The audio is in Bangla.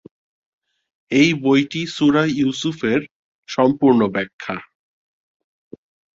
এই বইটি সূরা ইউসুফের সম্পূর্ণ ব্যাখ্যা।